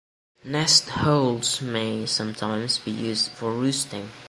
Nest holes may sometimes be used for roosting.